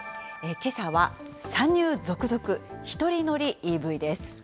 けさは、参入続々、１人乗りＥＶです。